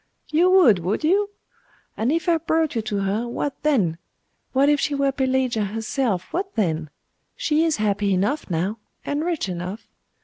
'You would, would you? And if I brought you to her, what then! What if she were Pelagia herself, what then? She is happy enough now, and rich enough.